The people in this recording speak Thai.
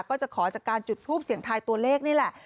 ก็จะขอจากการจุดทูปเสียงทายตัวเลขนี่แหละ